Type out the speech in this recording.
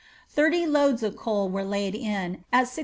Th'ulj loads of coals were laid in, at 16s.